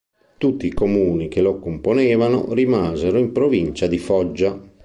Tutti i comuni che lo componevano rimasero in provincia di Foggia.